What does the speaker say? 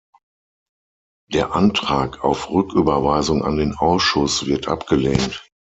Der Antrag auf Rücküberweisung an den Ausschuss wird abgelehnt.